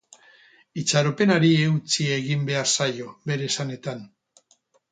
Itxaropenari eutsi egin behar zaio, bere esanetan.